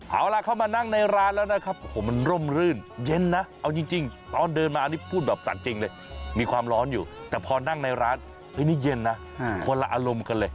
เอาล่ะเข้ามานั่งในร้านแล้วนะครับโอ้โหมันร่มรื่นเย็นนะเอาจริงตอนเดินมานี่พูดแบบสั่นจริงเลยมีความร้อนอยู่แต่พอนั่งในร้านเฮ้ยนี่เย็นนะคนละอารมณ์กันเลย